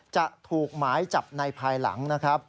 จะถูกหมายจับในภายหลังนะครับ